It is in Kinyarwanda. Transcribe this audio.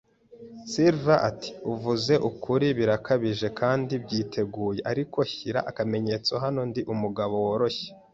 Silver ati: "Uvuze ukuri." “Birakabije kandi byiteguye. Ariko shyira akamenyetso hano, Ndi umugabo woroshye